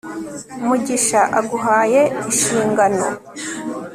Mugisha aguhaye ishingano